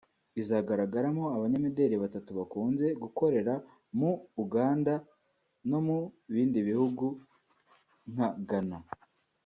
izagaragaramo abanyamideli batatu bakunze gukorera mu Uganda no mu bindi bihugu nka Ghana